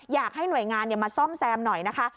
อยากให้หน่วยงานมาซ่อมแซมหน่อยนะคะ